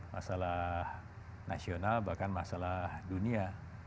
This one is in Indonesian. masalah nasional bahkan masalah dunia